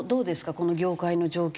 この業界の状況。